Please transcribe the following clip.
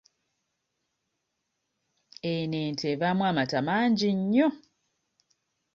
Eno ente evaamu amata mangi nnyo.